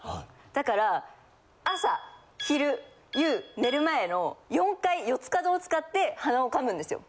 だから朝昼夕寝る前の４回４つ角を使って鼻をかむんですよ。